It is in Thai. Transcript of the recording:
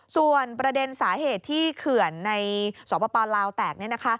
ส่วนประเด็นสาเหตุที่เขื่อนในสปลาวแตก